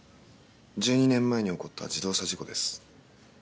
１２年前に起こった自動車事故です。